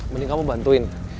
mending kamu bantuin